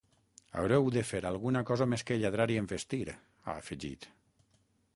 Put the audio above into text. Haureu de fer alguna cosa més que lladrar i envestir, ha afegit.